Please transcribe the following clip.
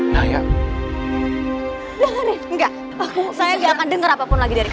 saya gak akan denger apapun lagi dari kamu